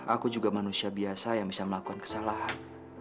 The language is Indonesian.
aku juga manusia biasa yang bisa melakukan kesalahan